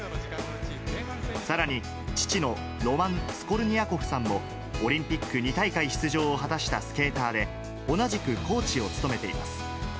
さらに、父のロマン・スコルニアコフさんも、オリンピック２大会出場を果たしたスケーターで、同じくコーチを務めています。